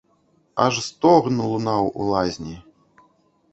Аж стогн лунаў у лазні.